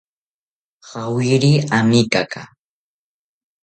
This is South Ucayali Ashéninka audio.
Jawiri amekaka